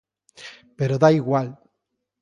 Pero dá igual.